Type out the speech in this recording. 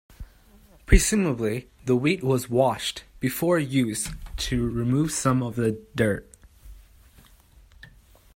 Presumably the wheat was washed before use to remove some of the dirt.